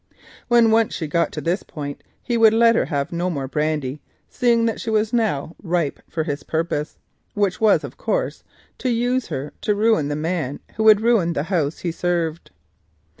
When once she got to this point he would let her have no more brandy, seeing that she was now ripe for his purpose, which was of course to use her to ruin the man who would ruin the house he served.